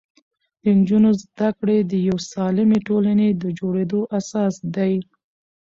د نجونو زده کړې د یوې سالمې ټولنې د جوړېدو اساس دی.